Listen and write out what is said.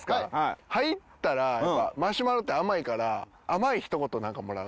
入ったらやっぱマシュマロって甘いから甘い一言をなんかもらう。